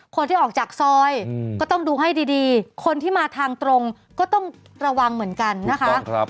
คนที่ออกจากซอยก็ต้องดูให้ดีคนที่มาทางตรงก็ต้องระวังเหมือนกันนะคะ